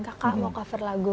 kakak mau cover lagu